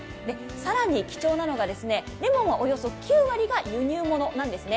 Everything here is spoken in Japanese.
更に貴重なのがレモンはおよそ９割が輸入物なんですね。